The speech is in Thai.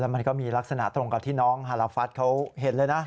มันก็มีลักษณะตรงกับที่น้องฮาลาฟัสเขาเห็นเลยนะ